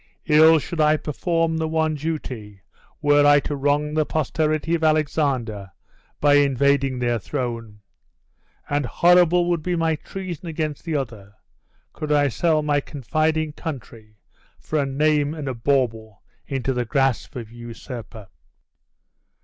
Ill should I perform the one duty, were I to wrong the posterity of Alexander by invading their throne; and horrible would be my treason against the other, could I sell my confiding country for a name and a bauble into the grasp of a usurper."